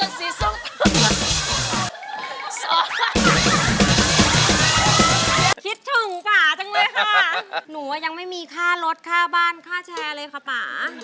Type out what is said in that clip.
คิดถึงป่าจังเลยค่ะหนูยังไม่มีค่ารถค่าบ้านค่าแชร์เลยค่ะป่า